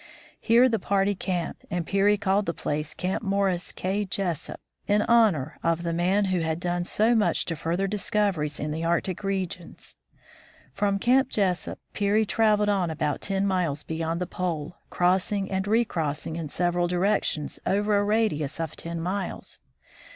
Here the party camped, and Peary called the place Camp Morris K. Jesup in honor of the man who had done so much to further discoveries in the Arctic regions. From Camp Jesup, Peary traveled on about ten miles beyond the Pole, crossing and recrossing in several direc tions over a radius of ten miles.